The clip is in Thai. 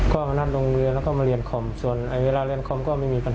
คุณอยู่ในห้องคอมใช่ไหม